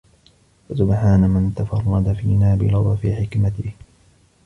فَسُبْحَانَ مَنْ تَفَرَّدَ فِينَا بِلُطْفِ حِكْمَتِهِ